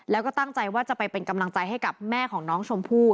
แล้วก็ตั้งใจว่าจะไปเป็นกำลังใจให้กับแม่ของน้องชมพู่